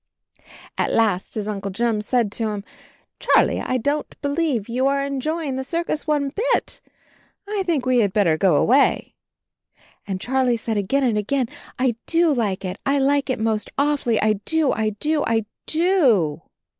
At last his Uncle Jim said to him, "Charlie, I don't believe you are enjoying the circus one bit — I think we had better go away." And Charlie said again and again, "I do like it; I like it most awfully. I do, I do, I DO."